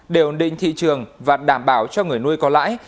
đều định thị trường và đảm bảo cho người nuôi có lãi